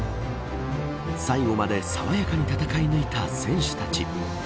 最後までさわやかに戦い抜いた選手たち。